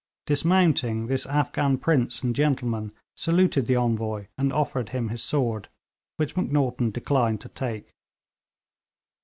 Dismounting, this Afghan prince and gentleman saluted the Envoy, and offered him his sword, which Macnaghten declined to take.